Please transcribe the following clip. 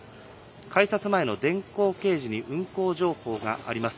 改札前の電光掲示に運行情報があります。